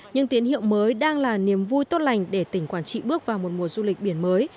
những tín hiệu mới đang là niềm vui tốt lành để tỉnh quảng trị bước vào một mùa du lịch biển mới